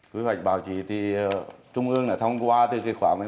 quy hoạch báo chí thì trung ương đã thông qua từ cái khoa một mươi một